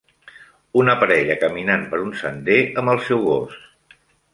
una parella caminant per un sender amb el seu gos